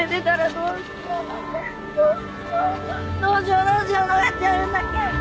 どうやってやるんだっけ！